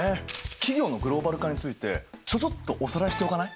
企業のグローバル化についてちょちょっとおさらいしておかない？